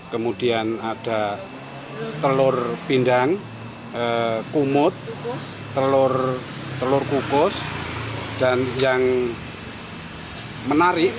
kemudian ada telur pindang kumut telur kukus dan yang menarik